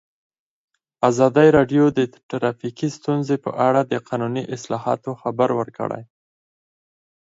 ازادي راډیو د ټرافیکي ستونزې په اړه د قانوني اصلاحاتو خبر ورکړی.